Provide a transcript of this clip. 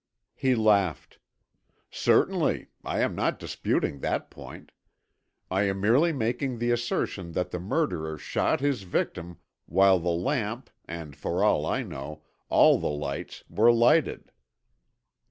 He laughed. "Certainly, I am not disputing that point. I am merely making the assertion that the murderer shot his victim while the lamp, and for all I know, all the lights were lighted."